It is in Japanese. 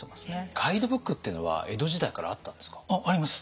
ガイドブックっていうのは江戸時代からあったんですか？